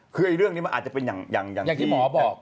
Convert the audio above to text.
คือเรื่องนี้มันอาจจะเป็นอย่างที่หมอบอก